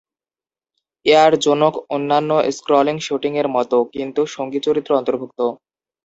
Air জোনক অন্যান্য scrolling shooting এর মত, কিন্তু সঙ্গী চরিত্র অন্তর্ভুক্ত।